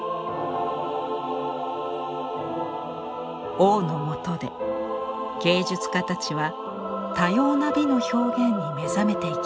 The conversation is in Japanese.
王のもとで芸術家たちは多様な美の表現に目覚めていきます。